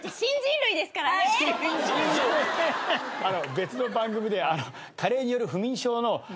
別の番組で。